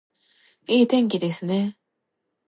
いい天気ですね